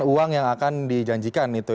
uang yang akan dijanjikan